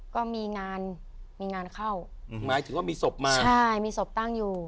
ก็มีงานมีงานเข้าหมายถึงว่ามีศพมาใช่มีศพตั้งอยู่